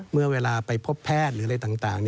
เมื่อเวลาไปพบแพทย์หรืออะไรต่าง